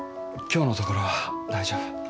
今日のところは大丈夫。